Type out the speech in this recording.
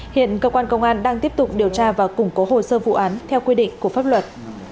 hiện cơ quan công an đang tiếp tục điều tra và củng cố hồ sơ vụ án theo quy định của pháp luật